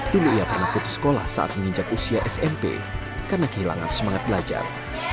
dulu ia pernah putus sekolah saat menginjak usia smp karena kehilangan semangat belajar